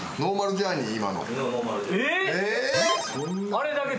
あれだけ？